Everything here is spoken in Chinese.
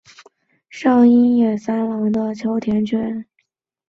上野英三郎的秋田犬。